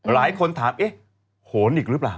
หลายคนถามหนอีกรึเปล่า